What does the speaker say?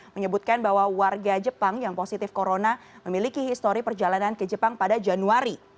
menyebutkan bahwa warga jepang yang positif corona memiliki histori perjalanan ke jepang pada januari